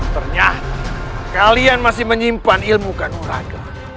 ternyata kalian masih menyimpan ilmu kanoraga